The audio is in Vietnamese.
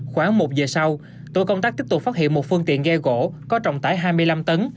khoảng một giờ sau tổ công tác tiếp tục phát hiện một phương tiện ghe gỗ có trọng tải hai mươi năm tấn